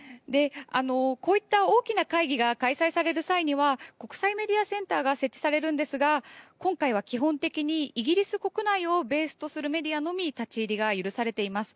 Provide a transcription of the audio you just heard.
こういった大きな会議が開催される際には国際メディアセンターが設置されるんですが今回は基本的にイギリス国内をベースとするメディアのみ立ち入りが許されています。